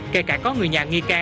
kể cả có người nhà nghi can